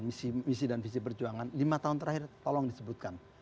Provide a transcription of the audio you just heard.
misi misi dan visi perjuangan lima tahun terakhir tolong disebutkan